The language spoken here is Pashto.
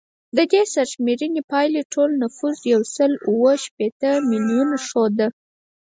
د دې سرشمېرنې پایلې ټول نفوس یو سل اووه شپیته میلیونه ښوده